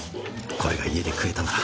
これが家で食えたなら。